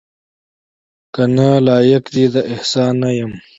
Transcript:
کنه لایق دې د احسان نه یمه